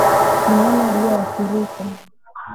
mnyama aliyeathirika